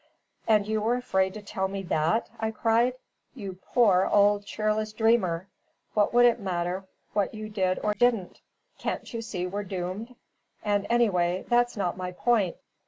"And you were afraid to tell me that!" I cried. "You poor, old, cheerless dreamer! what would it matter what you did or didn't? Can't you see we're doomed? And anyway, that's not my point.